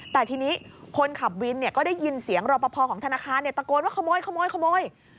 แต่ทีนี้คนขับวินก็ได้ยินเสียงรอปภของธนาคารตะโกนว่าขโมย